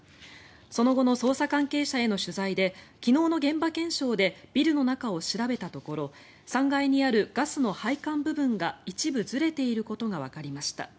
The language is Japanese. その後の捜査関係者への取材で昨日の現場検証でビルの中を調べたところ３階にあるガスの配管部分が一部ずれていることがわかりました。